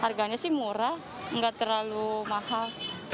harganya sih murah nggak terlalu mahal